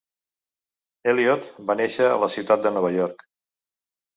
Elliot va néixer a la ciutat de Nova York.